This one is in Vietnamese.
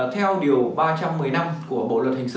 theo điều ba trăm một mươi năm của bộ luật hình sự